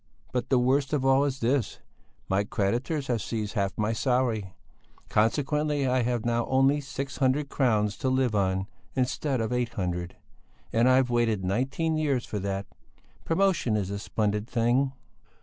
But the worst of it all is this: my creditors have seized half my salary; consequently I have now only six hundred crowns to live on instead of eight hundred and I've waited nineteen years for that. Promotion is a splendid thing!"